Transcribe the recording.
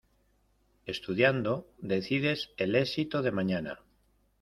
Estudiando decides el exito de mañana.